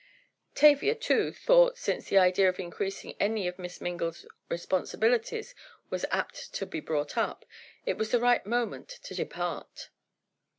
Tavia, too, thought, since the idea of increasing any of Miss Mingle's responsibilities was apt to be brought up, it was the right moment to depart.